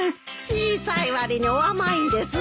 小さい割にお甘いんですの。